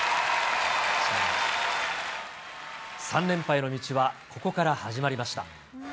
３連覇への道はここから始まりました。